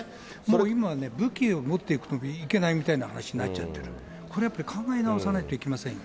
もう今ね、武器を持っていくといけないみたいな話になっちゃてるけど、これはやっぱり考え直さないといけませんよ。